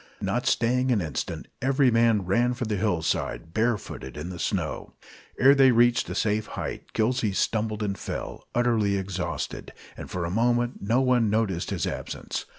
Not staying an instant, every man ran for the hillside, barefooted in the snow. Ere they reached a safe height, Gillsey stumbled and fell, utterly exhausted, and for a moment no one noticed his absence.